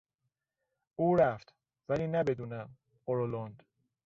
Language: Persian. او رفت ولی نه بدون غرولند.